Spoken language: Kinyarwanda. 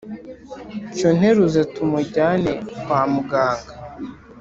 cyo nteruza tumujyane kwa muganga!